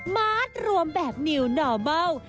มาร์ทรวมแบบนิวนอร์เบิล